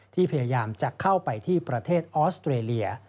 พยายามจะเข้าไปที่ประเทศออสเตรเลีย